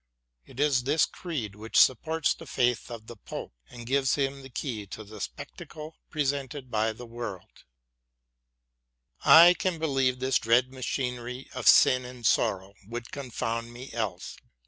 It is this creed which supports the faith of the Pope, and gives him the key to the spectacle presented by the world : I can believe this dread machinery Of sin and sorrow, would confound me else.